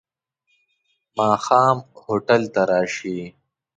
ماښام هوټل ته راشې.